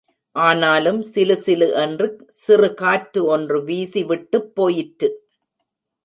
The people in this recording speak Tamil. ஆனாலும் சிலுசிலு என்று சிறுகாற்று ஒன்று வீசி விட்டுப் போயிற்று.